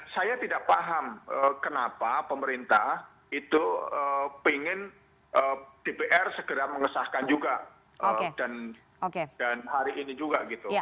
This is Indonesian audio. saya tidak paham kenapa pemerintah itu pengen dpr segera mengesahkan juga dan hari ini juga gitu